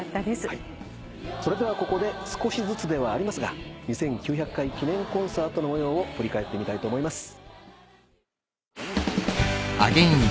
それではここで少しずつではありますが２９００回記念コンサートの模様を振り返ってみたいと思います。